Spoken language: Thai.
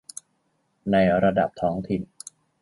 ในระดับท้องถิ่น